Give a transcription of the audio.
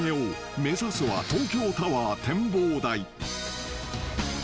［目指すは東京タワー展望台］